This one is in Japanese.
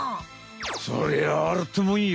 そりゃあるってもんよ。